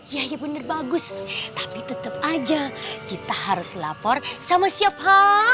yahi bener bagus tapi tetap aja kita harus lapor sama siapa